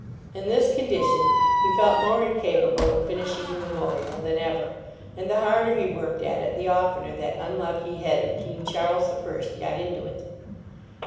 In this condition, he felt more incapable of finishing the Memorial than ever; and the harder he worked at it, the oftener that unlucky head of King Charles the First got into it.